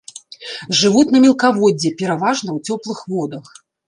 Жывуць на мелкаводдзі, пераважна ў цёплых водах.